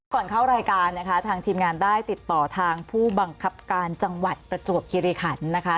ก่อนเข้ารายการนะคะทางทีมงานได้ติดต่อทางผู้บังคับการจังหวัดประจวบคิริขันนะคะ